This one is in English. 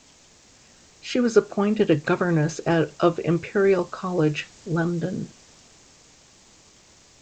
She was appointed a Governess of Imperial College, London.